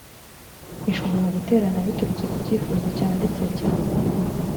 ishobora guterana biturutse ku cyifuzo cyanditse cya